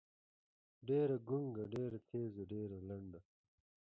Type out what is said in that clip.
ډېــره ګونګــــــه، ډېــره تېــزه، ډېــره لنډه.